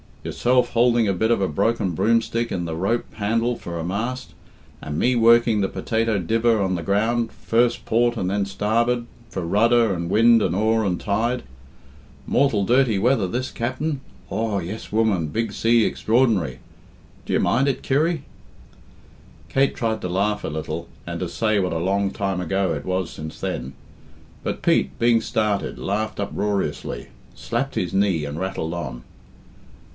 Yourself houlding a bit of a broken broomstick in the rope handle for a mast, and me working the potato dibber on the ground, first port and then starboard, for rudder and wind and oar and tide. 'Mortal dirty weather this, cap'n?' 'Aw, yes, woman, big sea extraordinary' d'ye mind it, Kirry!" Kate tried to laugh a little and to say what a long time ago it was since then. But Pete, being started, laughed uproariously, slapped his knee, and rattled on.